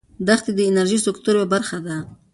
دښتې د انرژۍ سکتور یوه برخه ده.